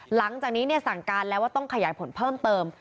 หลังจากนี้สั่งการแล้วว่าต้องขยายผลเพิ่มเติม